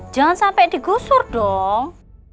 jangan sampai digusur dong